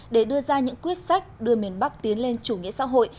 để đưa ra những quyết sách đưa miền bắc tiến lên chủ nghĩa xã hội